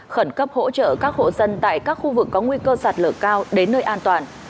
khẩn cấp hỗ trợ các hộ dân tại các khu vực có nguy cơ sạt lở cao đến nơi an toàn